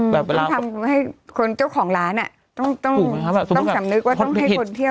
แบบเวลาต้องทำให้คนเจ้าของร้านต้องคำนึกว่าต้องให้คนเที่ยวปลอดภัย